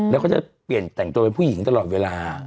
แล้วก็จะเปลี่ยนแต่งตัวเป็นผู้หญิงตลอดเวลา